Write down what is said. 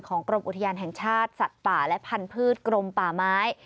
กรมอุทยานแห่งชาติสัตว์ป่าและพันธุ์กรมป่าไม้